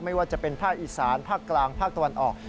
ไม่ว่าจะเป็นภาคอีสานภาคกลางภาคตะวันออก